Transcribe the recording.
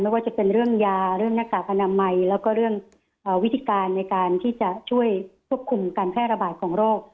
ว่าจะเป็นเรื่องยาเรื่องหน้ากากอนามัยแล้วก็เรื่องวิธีการในการที่จะช่วยควบคุมการแพร่ระบาดของโรค